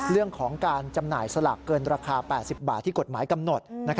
เรื่องของการจำหน่ายสลากเกินราคา๘๐บาทที่กฎหมายกำหนด